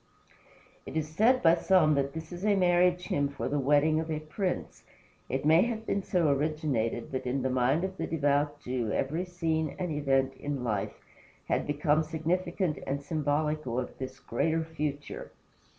It is said by some that this is a marriage hymn for the wedding of a prince. It may have been so originated; but in the mind of the devout Jew every scene and event in life had become significant and symbolical of this greater future.